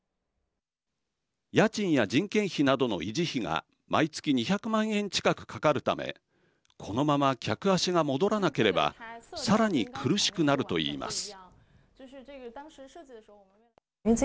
家賃や人件費などの維持費が毎月２００万円近くかかるためこのまま客足が戻らなければさらに苦しくなるといいます。